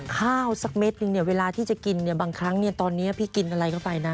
สักเม็ดนึงเนี่ยเวลาที่จะกินเนี่ยบางครั้งตอนนี้พี่กินอะไรเข้าไปนะ